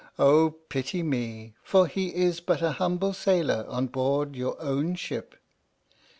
Oh, pity me, for he is but a humble sailor on board your own ship!"